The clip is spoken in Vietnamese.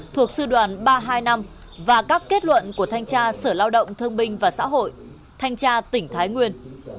thuộc sư đoàn ba trăm hai mươi năm và các kết luận của thanh tra sở lao động thương binh và xã hội thanh tra tỉnh thái nguyên